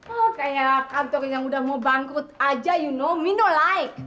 oh kayak kantor yang udah mau bangkrut aja you no mino like